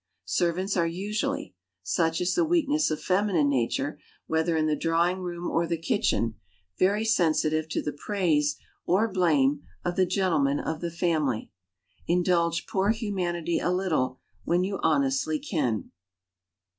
Servants are usually such is the weakness of feminine nature, whether in the drawing room or the kitchen very sensitive to the praise or blame of the gentlemen of the family. Indulge poor humanity a little when you honestly can.